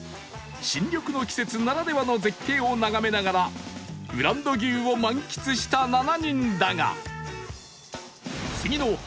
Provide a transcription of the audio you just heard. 新緑の季節ならではの絶景を眺めながらブランド牛を満喫した７人だが